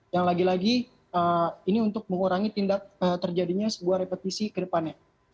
yang lagi lagi ini untuk mengurangi tindak terjadinya sebuah repetisi ke depannya